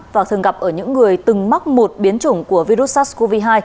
và thường gặp ở những người từng mắc một biến chủng của virus sars cov hai